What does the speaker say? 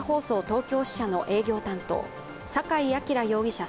東京支社の営業担当、酒井輝容疑者